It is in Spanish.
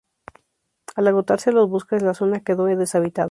Al agotarse los bosques, la zona quedó deshabitada.